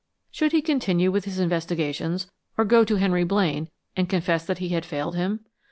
Should he continue with his investigations, or go to Henry Blaine and confess that he had failed him?